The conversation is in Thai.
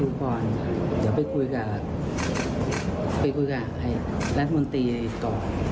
อย่างไรต้องคุยกับแหลกมนตรีก่อน